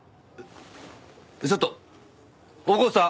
ちょっと大河内さん？